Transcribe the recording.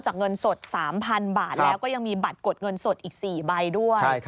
เงินสด๓๐๐๐บาทแล้วก็ยังมีบัตรกดเงินสดอีก๔ใบด้วย